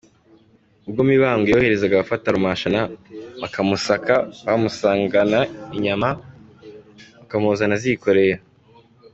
Ubwo Mibambwe yohereza abafata Rumashana, bakamusaka, bamusangana inyama bakamuzana azikoreye.